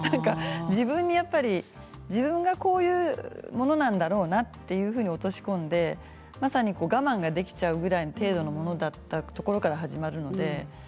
自分にやっぱり自分がこういうものなんだろうなと落とし込んでまさに我慢ができちゃうぐらいの程度のものだったところから始まるので。